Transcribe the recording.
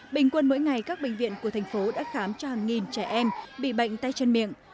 bình quân mỗi ngày các bệnh viện của thành phố đã khám cho hàng nghìn trẻ em bị bệnh tay chân miệng